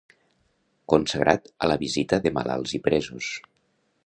Consagrat a la visita de malalts i presos